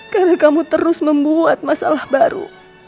karena kamu terus membuat masalah baru